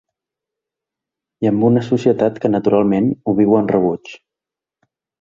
I amb una societat que naturalment ho viu amb rebuig.